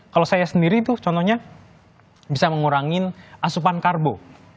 kalau saya sendiri itu contohnya bisa mengurangi asupan karbo